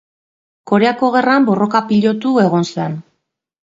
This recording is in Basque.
Koreako Gerran borroka-pilotu egon zen.